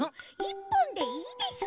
１ぽんでいいです。